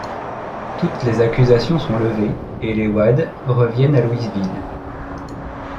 Toutes les accusations sont levées et les Wade reviennent à Louisville.